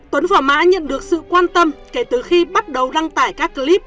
tuấn và mã nhận được sự quan tâm kể từ khi bắt đầu đăng tải các clip